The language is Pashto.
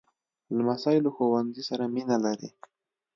لمسی له ښوونځي سره مینه لري.